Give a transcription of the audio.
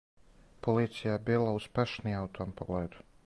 Полиција је била успешнија у том погледу.